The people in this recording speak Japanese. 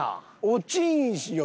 落ちんしよ